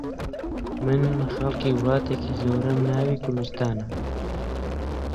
من خەڵکی وڵاتێکی گەورەم ناوی کوردستانە